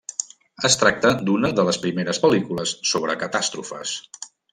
Es tracta d'una de les primeres pel·lícules sobre catàstrofes.